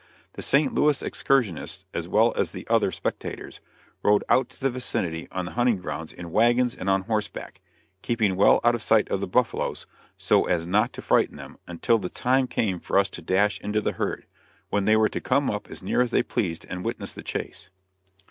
The St. Louis excursionists, as well as the other spectators, rode out to the vicinity of the hunting grounds in wagons and on horseback, keeping well out of sight of the buffaloes, so as not to frighten them, until the time came for us to dash into the herd; when they were to come up as near as they pleased and witness the chase.